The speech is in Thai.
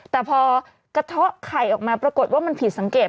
แต่พอกระเทาะไข่ออกมาปรากฏว่ามันผิดสังเกต